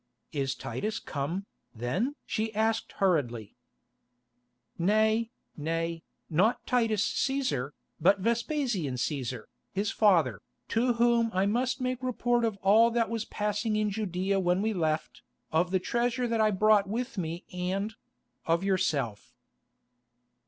"Is Titus come, then?" she asked hurriedly. "Nay, nay, not Titus Cæsar, but Vespasian Cæsar, his father, to whom I must make report of all that was passing in Judæa when we left, of the treasure that I brought with me and—of yourself."